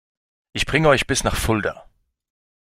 Ich bringe euch bis nach Fulda